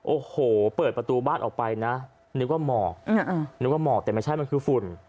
โอ้โหเปิดประตูบ้านออกไปนะนึกว่าหมอกนึกว่าหมอกแต่ไม่ใช่มันคือฝุ่น